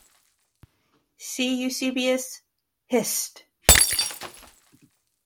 See Eusebius, Hist.